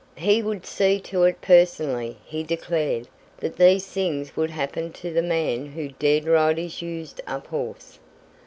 He would see to it personally, he declared, that these things would happen to the man who dared ride his used up horse.